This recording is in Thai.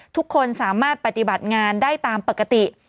ทุกคนสามารถปฏิบัติงานได้ตามปกติ